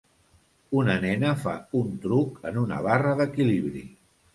Una nena fa un truc en una barra d'equilibri.